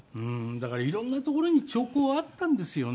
だから色んなところに兆候はあったんですよね。